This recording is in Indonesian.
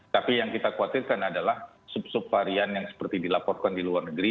tapi yang kita khawatirkan adalah sub sub varian yang seperti dilaporkan di luar negeri